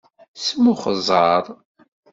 Smuxẓer.